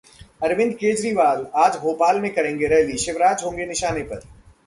अरविंद केजरीवाल आज भोपाल में करेंगे रैली, शिवराज होंगे निशाने पर